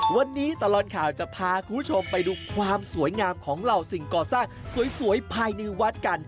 วันนี้ตลอดข่าวจะพาคุณผู้ชมไปดูความสวยงามของเหล่าสิ่งก่อสร้างสวยภายในวัดกัน